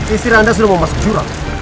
istri anda sudah mau masuk jurang